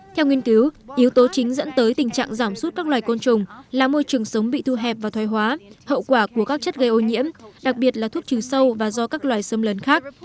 theo nghiên cứu yếu tố chính dẫn tới tình trạng giảm suốt các loài côn trùng là môi trường sống bị thu hẹp và thoai hóa hậu quả của các chất gây ô nhiễm đặc biệt là thuốc trừ sâu và do các loài xâm lấn khác